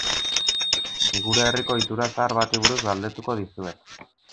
Gure herriko ohitura zahar bati buruz galdetuko dizuet.